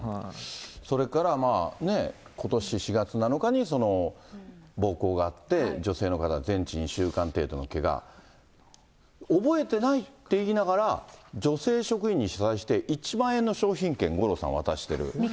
それから、ことし４月７日に、暴行があって、女性の方、全治２週間程度のけが。覚えてないって言いながら、女性職員に謝罪して、１万円の商品券を五郎さん、渡してる。